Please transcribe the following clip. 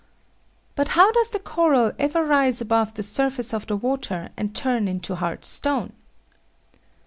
But how does the coral ever rise above the surface of the water and turn into hard stone?